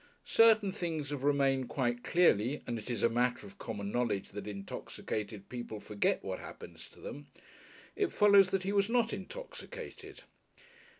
Certain things have remained quite clearly, and as it is a matter of common knowledge that intoxicated people forget what happens to them, it follows that he was not intoxicated.